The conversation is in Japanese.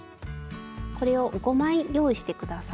これを５枚用意して下さい。